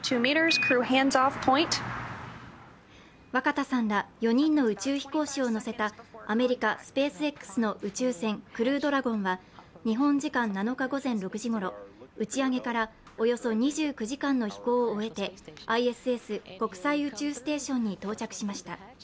若田さんら４人の宇宙飛行士を乗せたアメリカ・スペースＸの宇宙船クルードラブンは日本時間７日午前６時ごろ、打ち上げから、およそ２９時間の飛行を終えて、ＩＳＳ＝国際宇宙ステーションに到着しました。